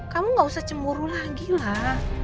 kamu gak usah cemburu lagi lah